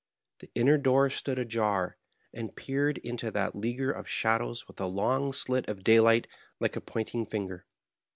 The inner door stood ajar, and peered into that leaguer of shadows with a long slit of daylight like a pointing finger.